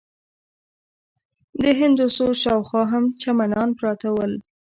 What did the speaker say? د هندوسوز شاوخوا هم چمنان پراته ول.